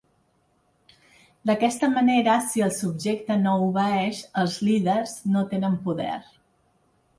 D'aquesta manera, si el subjecte no obeeix, els líders no tenen poder.